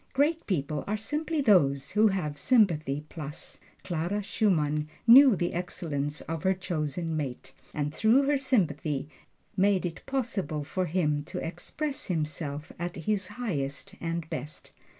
Great people are simply those who have sympathy plus. Clara Schumann knew the excellence of her chosen mate, and through her sympathy made it possible for him to express himself at his highest and best.